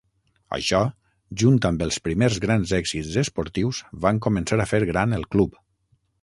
Això, junt amb els primers grans èxits esportius van començar a fer gran el Club.